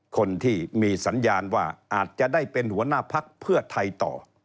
คนที่มีสัญญาณว่าอาจจะได้เป็นหัวหน้าพักเพื่อไทยต่อ